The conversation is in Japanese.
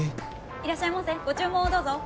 いらっしゃいませご注文をどうぞ。